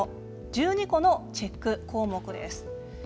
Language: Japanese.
１２個のチェック項目です。